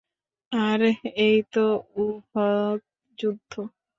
আর এই তো উহুদ যুদ্ধ।